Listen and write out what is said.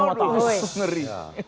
hanya takut dengan allah subhanahu wa ta'ala